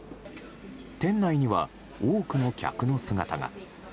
店内には、多くの客の姿が。